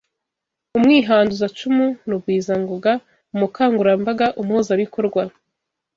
Umwihanduzacumu Rugwizangoga Umukangurambaga Umuhuzabikorwa